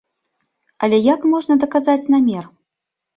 Але як можна даказаць намер?